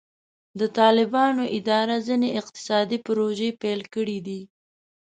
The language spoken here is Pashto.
د طالبانو اداره ځینې اقتصادي پروژې پیل کړې دي.